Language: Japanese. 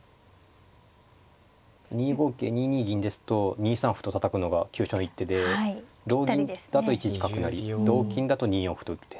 ２五桂２二銀ですと２三歩とたたくのが急所の一手で同銀だと１一角成同金だと２四歩と打って。